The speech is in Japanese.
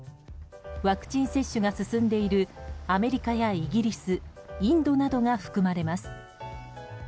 ワクチン接種が進んでいるアメリカやイギリスインドなどが含まれます。